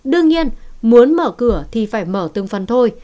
đương nhiên muốn mở cửa thì phải mở tương phân thôi